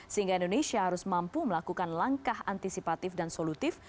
sehingga indonesia harus mampu melakukan langkah antisipatif dan solutif